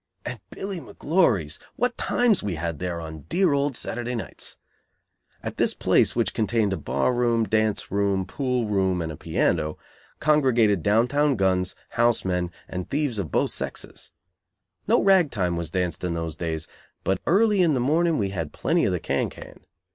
And Billy McGlory's! What times we had there, on dear old Saturday nights! At this place, which contained a bar room, dance room, pool room and a piano, congregated downtown guns, house men and thieves of both sexes. No rag time was danced in those days, but early in the morning we had plenty of the cancan.